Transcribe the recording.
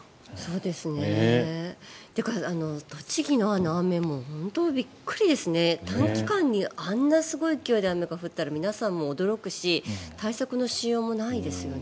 そうですね。というか栃木の雨も本当にびっくりですね、短期間にあんなすごい勢いで雨が降ったら皆さんも驚くし対策のしようもないですよね。